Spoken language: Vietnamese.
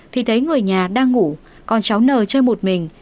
thì thấy người nhà đang ngủ còn cháu n chơi một mình